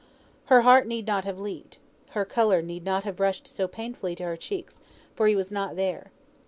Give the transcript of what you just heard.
Her heart need not have leaped, her colour need not have rushed so painfully to her cheeks, for he was not there.